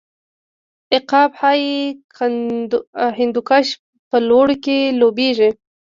عقاب های هندوکش په لوړو کې لوبیږي.